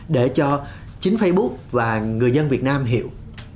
để cho chính facebook và người dân việt nam hiểu